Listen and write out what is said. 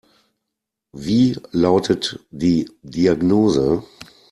Wie lautet die Diagnose?